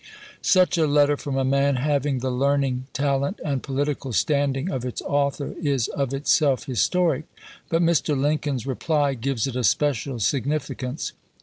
Such a letter, from a man having the learning, talent, and political standing of its author, is of itself historic ; but Mr. Lincoln's reply gives it a special significance.